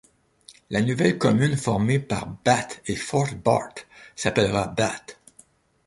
La nouvelle commune formée par Bath et Fort Bart s'appellera Bath.